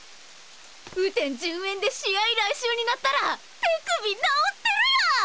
雨天順延で試合来週になったら手首治ってるやん！